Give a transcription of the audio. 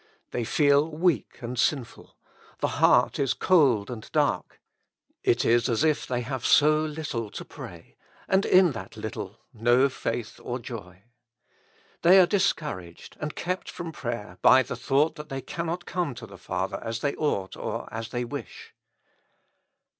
They feel weak and sinful, the heart is cold and dark ; it is as if they have so little to pray, and in that little no faith or joy. They are discouraged and kept from prayer by the thought that they cannot come to the Father as they ought or as they wish.